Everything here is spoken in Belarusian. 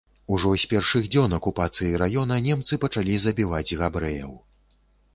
Ужо з першых дзён акупацыі раёна немцы пачалі забіваць габрэяў.